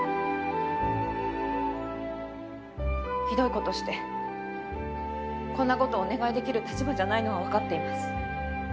ひどい事してこんな事お願いできる立場じゃないのはわかっています。